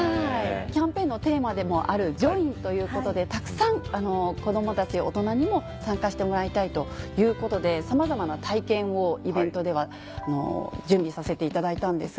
キャンペーンのテーマでもある「ジョイン」ということでたくさん子どもたち大人にも参加してもらいたいということでさまざまな体験をイベントでは準備させていただいたんですが。